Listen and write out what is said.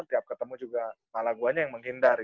tiap ketemu juga malah gue aja yang menghindari